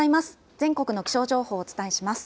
全国の気象情報をお伝えします。